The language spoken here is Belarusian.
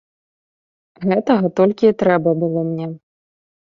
Гэтага толькі і трэба было мне.